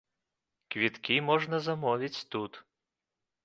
Квіткі можна замовіць тут!